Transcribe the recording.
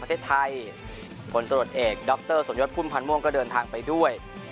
ประเทศไทยผลตรวจเอกดรสมยศพุ่มพันธ์ม่วงก็เดินทางไปด้วย